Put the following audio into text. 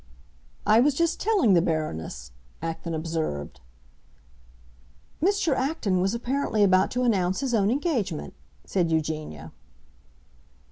"I was just telling the Baroness," Acton observed. "Mr. Acton was apparently about to announce his own engagement," said Eugenia.